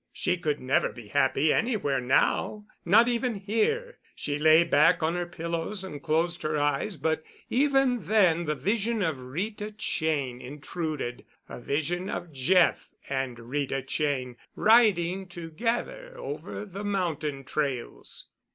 She could never be happy anywhere now—not even here. She lay back on her pillows and closed her eyes, but even then the vision of Rita Cheyne intruded—a vision of Jeff and Rita Cheyne riding together over the mountain trails.